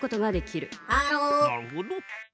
なるほど！